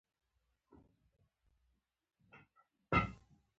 هغه پنځوس کلن سړی ښايي د قبیلې مشر و.